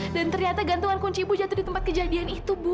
dan ternyata gantungan kunci ibu jatuh di tempat kejadian itu ibu